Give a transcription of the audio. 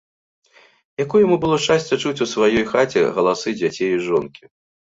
Якое яму было шчасце чуць у сваёй хаце галасы дзяцей і жонкі!